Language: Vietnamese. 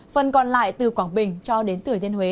phần còn lại từ quảng bình cho đến thừa thiên huế